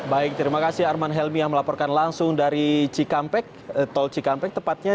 baik terima kasih arman helmiah melaporkan langsung dari cikampek tol cikampek tepatnya